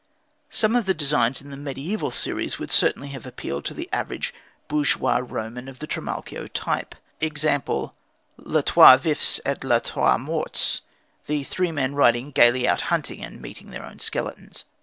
Some of the designs in the medieval series would certainly have appealed to the average bourgeois Roman of the Trimalchio type e.g., "Les Trois Vifs et les Trois Morts," the three men riding gaily out hunting and meeting their own skeletons.